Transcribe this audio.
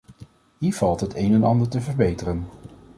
Hier valt het een en ander te verbeteren.